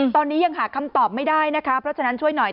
ตอนนี้ยังหาคำตอบไม่ได้นะคะเพราะฉะนั้นช่วยหน่อย